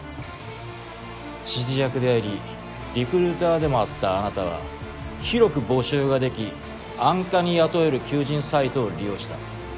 指示役でありリクルーターでもあったあなたは広く募集ができ安価に雇える求人サイトを利用した。